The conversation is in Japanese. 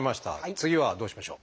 次はどうしましょう？